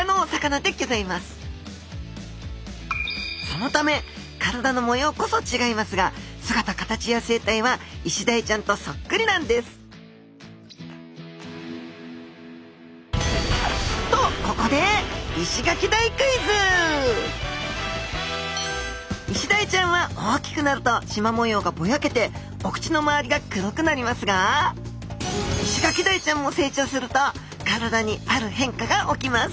そのため体の模様こそちがいますが姿形や生態はイシダイちゃんとそっくりなんですとここでイシダイちゃんは大きくなるとしま模様がぼやけてお口の周りが黒くなりますがイシガキダイちゃんも成長すると体にある変化が起きます。